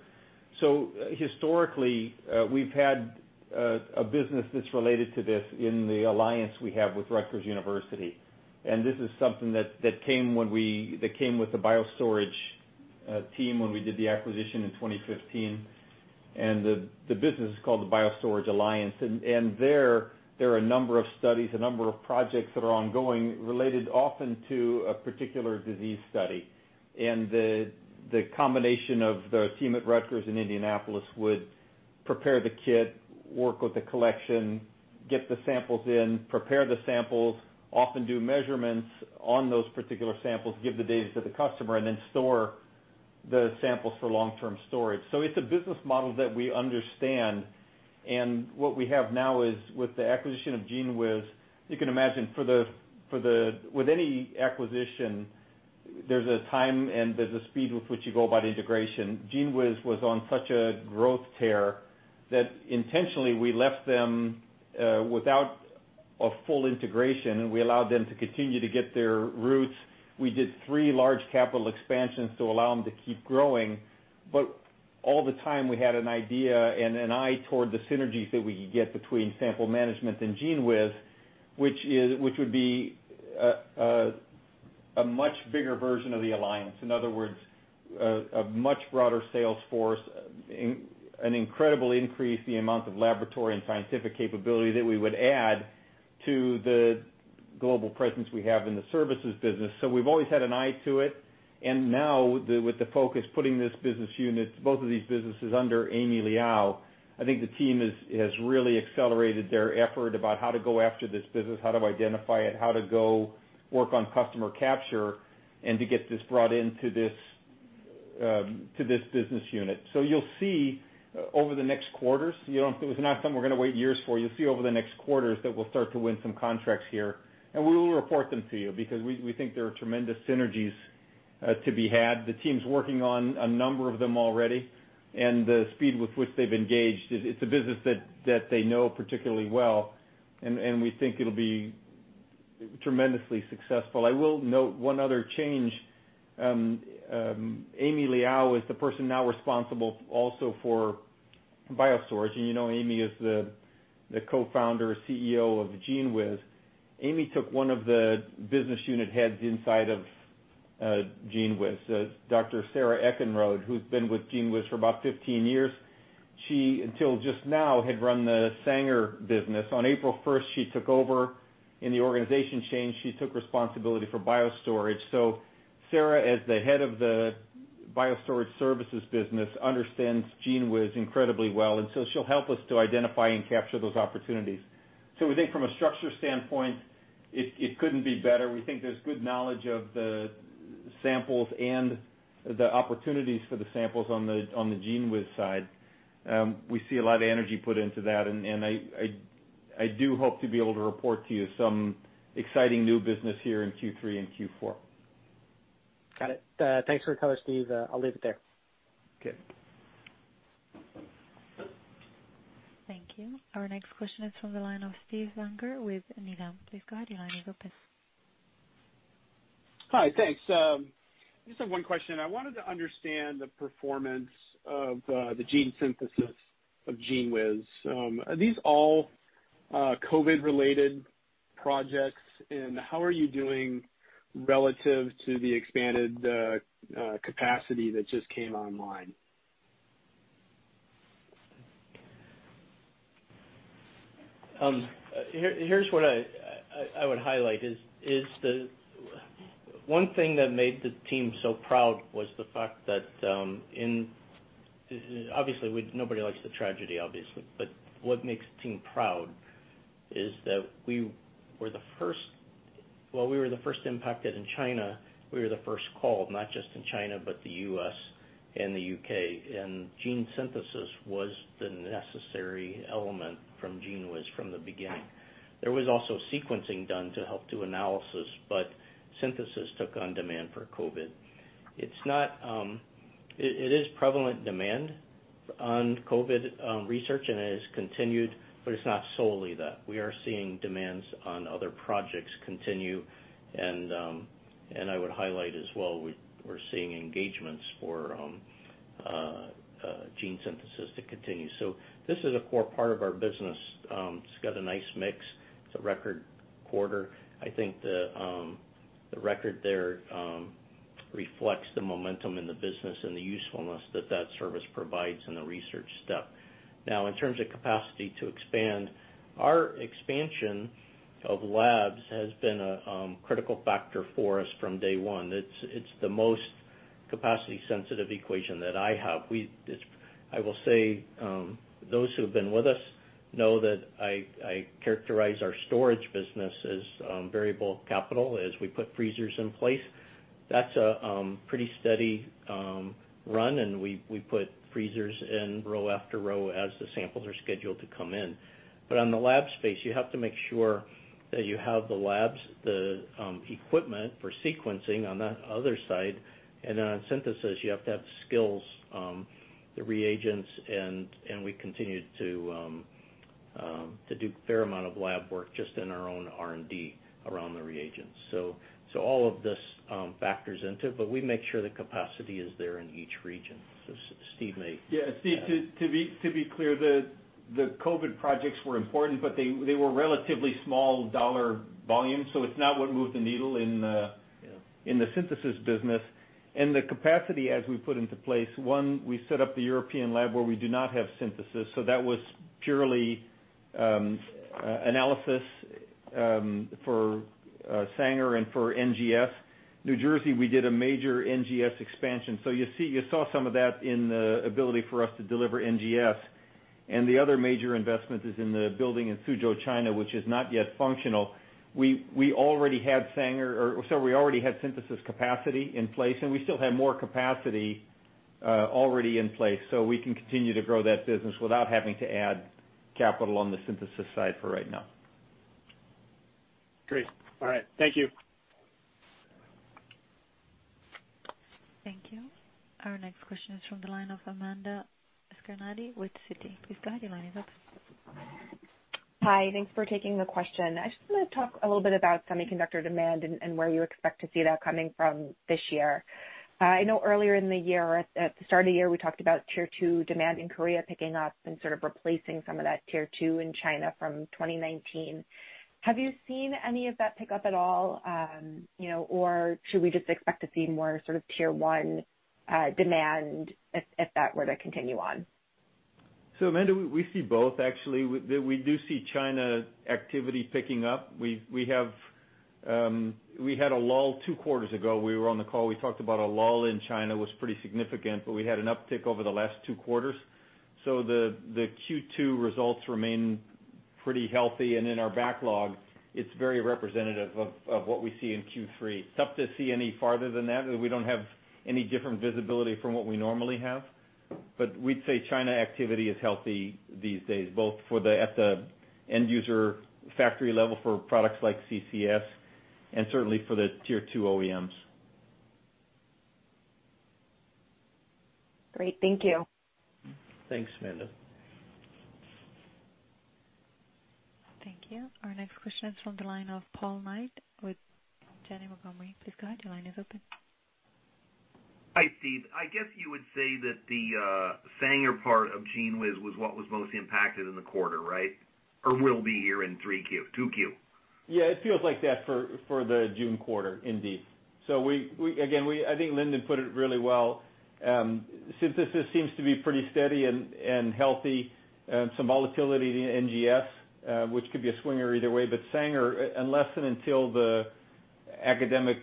Historically, we've had a business that's related to this in the alliance we have with Rutgers University, and this is something that came with the BioStore team when we did the acquisition in 2015. The business is called the BioStorage Technologies. There, there are a number of studies, a number of projects that are ongoing, related often to a particular disease study. The combination of the team at Rutgers in Indianapolis would prepare the kit, work with the collection, get the samples in, prepare the samples, often do measurements on those particular samples, give the data to the customer, and then store the samples for long-term storage. It's a business model that we understand, and what we have now is, with the acquisition of GENEWIZ, you can imagine with any acquisition, there's a time and there's a speed with which you go about integration. GENEWIZ was on such a growth tear that intentionally we left them without a full integration, and we allowed them to continue to get their roots. We did three large capital expansions to allow them to keep growing. All the time we had an idea and an eye toward the synergies that we could get between sample management and GENEWIZ, which would be a much bigger version of the alliance. In other words, a much broader sales force, an incredible increase the amount of laboratory and scientific capability that we would add to the global presence we have in the services business. We've always had an eye to it. Now with the focus putting both of these businesses under Amy Liao, I think the team has really accelerated their effort about how to go after this business, how to identify it, how to go work on customer capture, and to get this brought into this business unit. You'll see over the next quarters, it's not something we're going to wait years for. You'll see over the next quarters that we'll start to win some contracts here, and we will report them to you because we think there are tremendous synergies to be had. The team's working on a number of them already, and the speed with which they've engaged, it's a business that they know particularly well, and we think it'll be tremendously successful. I will note one other change. Amy Liao is the person now responsible also for BioStore, and you know Amy as the co-founder, CEO of GENEWIZ. Amy took one of the business unit heads inside of GENEWIZ, Dr. Sarah Eckenrode, who's been with GENEWIZ for about 15 years. She, until just now, had run the Sanger business. On April 1st, she took over in the organization change. She took responsibility for BioStore. Sara, as the head of the BioStore services business, understands GENEWIZ incredibly well, and so she'll help us to identify and capture those opportunities. We think from a structure standpoint, it couldn't be better. We think there's good knowledge of the samples and the opportunities for the samples on the GENEWIZ side. We see a lot of energy put into that, and I do hope to be able to report to you some exciting new business here in Q3 and Q4. Got it. Thanks for the color, Steve. I'll leave it there. Okay. Thank you. Our next question is from the line of Steve Unger with Needham. Please go ahead, line is open. Hi, thanks. I just have one question. I wanted to understand the performance of the gene synthesis of GENEWIZ. Are these all COVID-related projects, how are you doing relative to the expanded capacity that just came online? Here's what I would highlight is the one thing that made the team so proud was the fact that obviously, nobody likes the tragedy, obviously, but what makes the team proud is that while we were the first impacted in China, we were the first called, not just in China, but the U.S. and the U.K. Gene synthesis was the necessary element from GENEWIZ from the beginning. There was also sequencing done to help do analysis, but synthesis took on demand for COVID. It is prevalent demand on COVID research, and it has continued, but it's not solely that. We are seeing demands on other projects continue, and I would highlight as well, we're seeing engagements for gene synthesis to continue. This is a core part of our business. It's got a nice mix. It's a record quarter. I think the record there reflects the momentum in the business and the usefulness that that service provides in the research step. In terms of capacity to expand, our expansion of labs has been a critical factor for us from day one. It's the most capacity sensitive equation that I have. I will say, those who have been with us- Know that I characterize our storage business as variable capital as we put freezers in place. That's a pretty steady run. We put freezers in row after row as the samples are scheduled to come in. On the lab space, you have to make sure that you have the labs, the equipment for sequencing on that other side. On synthesis, you have to have the skills, the reagents, and we continue to do a fair amount of lab work just in our own R&D around the reagents. All of this factors into it. We make sure the capacity is there in each region. Steve may- Yeah, Steve, to be clear, the COVID projects were important, but they were relatively small dollar volumes, so it's not what moved the needle. Yeah. In the synthesis business. The capacity as we put into place, one, we set up the European lab where we do not have synthesis, so that was purely analysis for Sanger and for NGS. New Jersey, we did a major NGS expansion, so you saw some of that in the ability for us to deliver NGS, and the other major investment is in the building in Suzhou, China, which is not yet functional. We already had synthesis capacity in place, and we still have more capacity already in place, so we can continue to grow that business without having to add capital on the synthesis side for right now. Great. All right. Thank you. Thank you. Our next question is from the line of Amanda Scarnati with Citi. Please go ahead, your line is open. Hi, thanks for taking the question. I just want to talk a little bit about semiconductor demand and where you expect to see that coming from this year. I know earlier in the year, at the start of the year, we talked about Tier 2 demand in Korea picking up and sort of replacing some of that Tier 2 in China from 2019. Have you seen any of that pick up at all? Should we just expect to see more sort of Tier 1 demand if that were to continue on? Amanda, we see both actually. We do see China activity picking up. We had a lull two quarters ago. We were on the call, we talked about a lull in China, was pretty significant, but we had an uptick over the last two quarters. The Q2 results remain pretty healthy, and in our backlog, it's very representative of what we see in Q3. It's tough to see any farther than that, as we don't have any different visibility from what we normally have. We'd say China activity is healthy these days, both at the end user factory level for products like CCS and certainly for the Tier 2 OEMs. Great. Thank you. Thanks, Amanda. Thank you. Our next question is from the line of Paul Knight with Janney Montgomery. Please go ahead, your line is open. Hi, Steve. I guess you would say that the Sanger part of GENEWIZ was what was most impacted in the quarter, right? Will be here in 3Q, 2Q. Yeah, it feels like that for the June quarter, indeed. Again, I think Lindon put it really well. Synthesis seems to be pretty steady and healthy. Some volatility in the NGS, which could be a swinger either way, but Sanger, unless and until the academic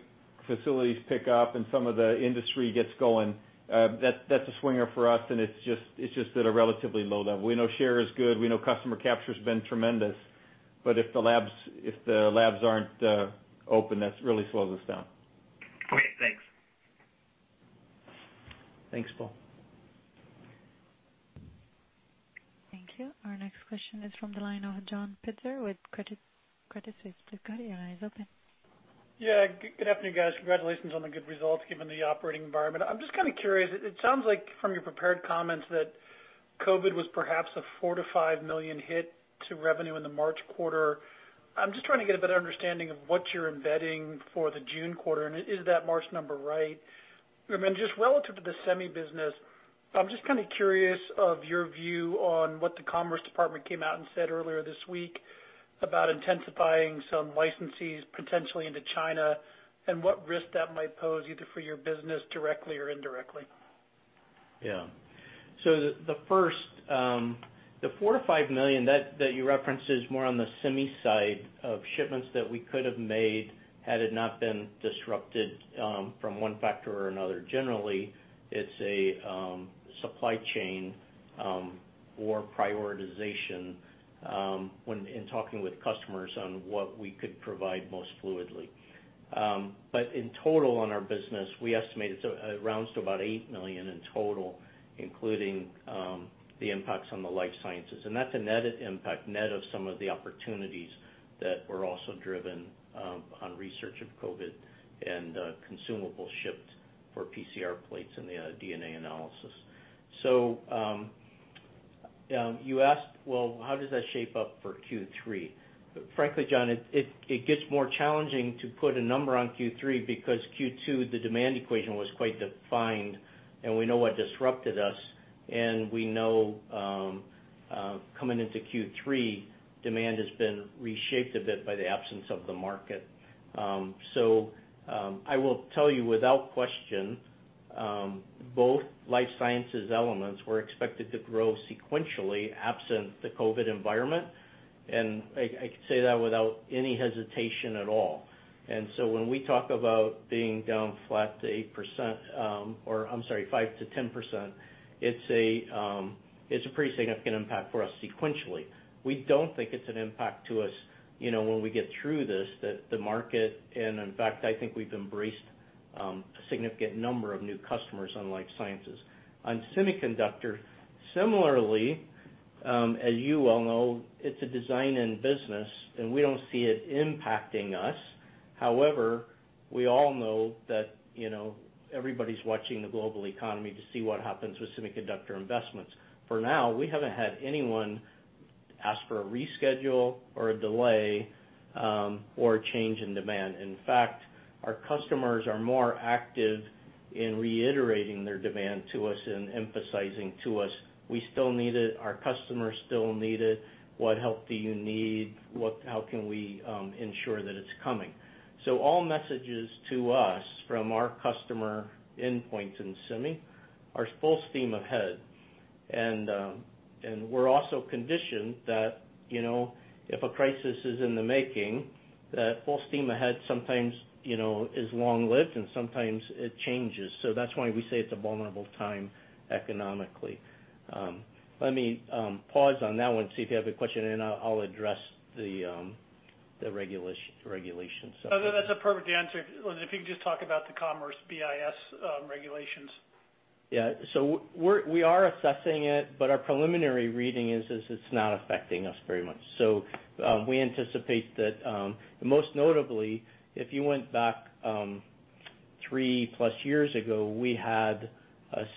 facilities pick up and some of the industry gets going, that's a swinger for us and it's just at a relatively low level. We know share is good. We know customer capture's been tremendous. If the labs aren't open, that really slows us down. Okay, thanks. Thanks, Paul. Thank you. Our next question is from the line of John Pitzer with Credit Suisse. Please go ahead, your line is open. Yeah, good afternoon, guys. Congratulations on the good results given the operating environment. I'm just kind of curious, it sounds like from your prepared comments that COVID was perhaps a $4 million-$5 million hit to revenue in the March quarter. I'm just trying to get a better understanding of what you're embedding for the June quarter, is that March number right? Just relative to the semi business, I'm just kind of curious of your view on what the Commerce Department came out and said earlier this week about intensifying some licensees potentially into China, and what risk that might pose either for your business directly or indirectly. Yeah. The first, the $4 million-$5 million that you referenced is more on the semi side of shipments that we could have made had it not been disrupted from one factor or another. Generally, it's a supply chain or prioritization in talking with customers on what we could provide most fluidly. In total on our business, we estimate it rounds to about $8 million in total, including the impacts on the life sciences, and that's a netted impact, net of some of the opportunities that were also driven on research of COVID and consumable shipped for PCR plates and the DNA analysis. You asked, well, how does that shape up for Q3? Frankly, John, it gets more challenging to put a number on Q3 because Q2, the demand equation was quite defined and we know what disrupted us, and we know coming into Q3, demand has been reshaped a bit by the absence of the market. I will tell you, without question, both life sciences elements were expected to grow sequentially absent the COVID environment. I can say that without any hesitation at all. When we talk about being down flat to 8%, or I'm sorry, 5%-10%, it's a pretty significant impact for us sequentially. We don't think it's an impact to us, when we get through this, that the market, and in fact, I think we've embraced a significant number of new customers on life sciences. On semiconductor, similarly, as you well know, it's a design-in business, and we don't see it impacting us. We all know that everybody's watching the global economy to see what happens with semiconductor investments. For now, we haven't had anyone ask for a reschedule or a delay or a change in demand. Our customers are more active in reiterating their demand to us and emphasizing to us, "We still need it. Our customers still need it. What help do you need? How can we ensure that it's coming?" All messages to us from our customer endpoint in semi are full steam ahead. We're also conditioned that if a crisis is in the making, that full steam ahead sometimes is long-lived and sometimes it changes. That's why we say it's a vulnerable time economically. Let me pause on that one, see if you have a question, and I'll address the regulations. No, that's a perfect answer. If you could just talk about the commerce BIS regulations. Yeah. We are assessing it, but our preliminary reading is it's not affecting us very much. We anticipate that, most notably, if you went back 3+ years ago, we had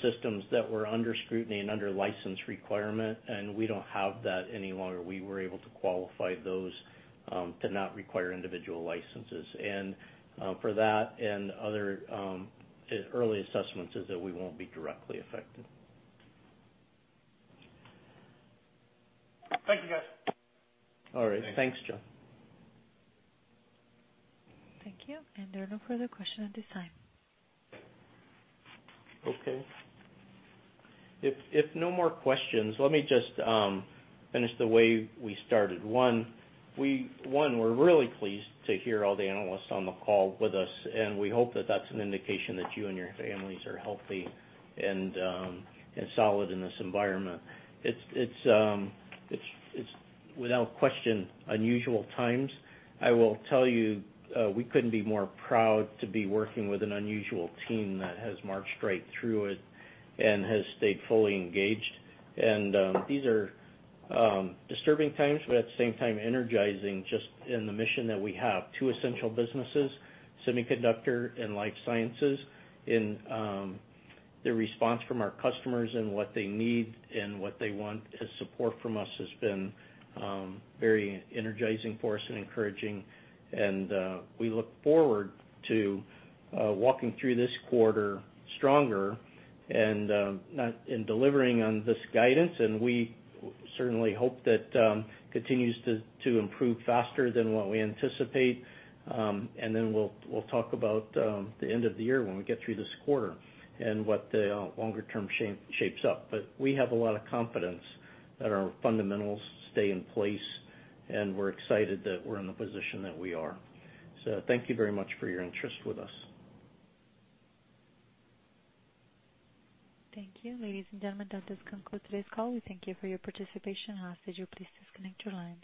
systems that were under scrutiny and under license requirement, and we don't have that any longer. We were able to qualify those to not require individual licenses. For that and other early assessments is that we won't be directly affected. Thank you, guys. All right. Thanks, John. Thank you. There are no further questions at this time. Okay. If no more questions, let me just finish the way we started. One, we're really pleased to hear all the analysts on the call with us. We hope that that's an indication that you and your families are healthy and solid in this environment. It's, without question, unusual times. I will tell you, we couldn't be more proud to be working with an unusual team that has marched right through it and has stayed fully engaged. These are disturbing times, but at the same time, energizing just in the mission that we have. Two essential businesses, semiconductor and life sciences, and the response from our customers and what they need and what they want as support from us has been very energizing for us and encouraging. We look forward to walking through this quarter stronger and delivering on this guidance. We certainly hope that continues to improve faster than what we anticipate. Then we'll talk about the end of the year when we get through this quarter and what the longer term shapes up. We have a lot of confidence that our fundamentals stay in place, and we're excited that we're in the position that we are. Thank you very much for your interest with us. Thank you. Ladies and gentlemen, that does conclude today's call. We thank you for your participation. I'll ask that you please disconnect your lines.